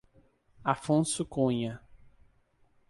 Afonso Cunha